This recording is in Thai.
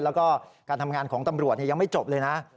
แล้วก็การทำงานของตำรวจยังไม่จบเลยนะ